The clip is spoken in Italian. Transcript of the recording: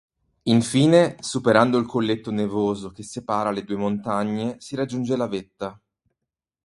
Infine superando il colletto nevoso che separa le due montagne si raggiunge la vetta.